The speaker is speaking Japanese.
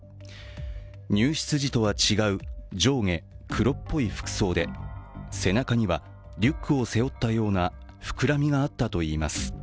入室時とは違う、上下黒っぽい服装で背中にはリュックを背負ったような膨らみがあったといいます。